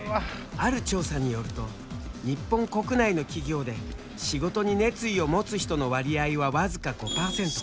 ある調査によると日本国内の企業で仕事に熱意を持つ人の割合は僅か５％。